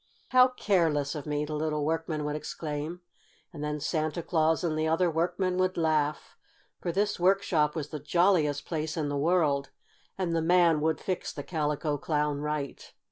"How careless of me!" the little workman would exclaim. And then Santa Claus and the other workmen would laugh, for this workshop was the jolliest place in the world, and the man would fix the Calico Clown right.